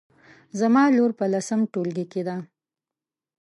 زما لور په لسم ټولګي کې ده